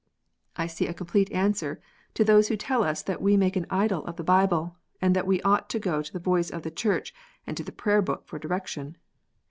I see a complete answer to those who tell us that we make an idol of the Bible, and that we ought to go to the voice of the Church and to the Prayer book for direction.